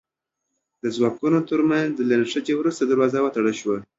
د ځواکونو تر منځ له نښتې وروسته دروازه وتړل شوه.